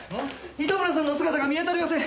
糸村さんの姿が見当たりません！